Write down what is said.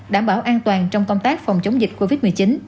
đảm bảo an toàn trong công tác phòng chống dịch covid một mươi chín